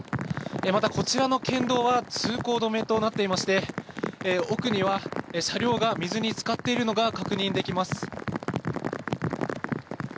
またこちらの県道は通行止めとなっていまして奥には車両が水に浸かっているのが確認できます。